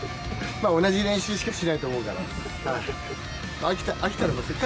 まあ同じ練習しかしないと思うから。